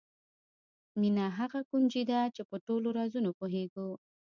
مینه هغه کونجي ده چې په ټولو رازونو پوهېږو.